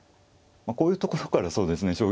こういうところからそうですね